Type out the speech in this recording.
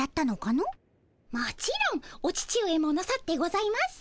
もちろんお父上もなさってございます。